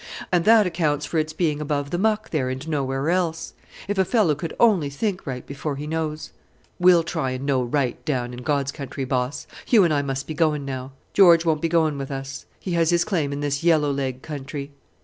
And that accounts for its being above the muck there and nowhere else. If a fellow could only think right before he knows!" "We'll try and know right down in God's country, Boss. Hugh and I must be going now. George won't be going with us; he has his claim in this yellow leg country."